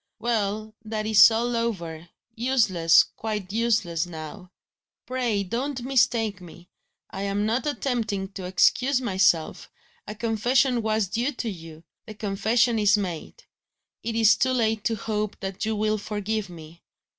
Well! that is all over useless, quite useless now. Pray don't mistake me. I am not attempting to excuse myself; a confession was due to you; the confession is made. It is too late to hope that you will forgive me.